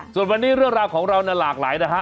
ส่วนวันนี้เรื่องราวของเรานั้นหลากหลายนะฮะ